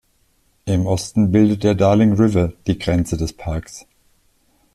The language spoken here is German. Im Osten bildet der Darling River die Grenze des Parks.